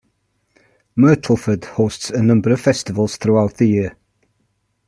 Myrtleford hosts a number of festivals throughout the year.